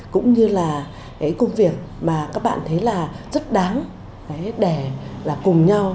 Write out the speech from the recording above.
cũng như là cái công việc mà các bạn thấy là rất đáng để là cùng nhau